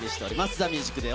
ＴＨＥＭＵＳＩＣＤＡＹ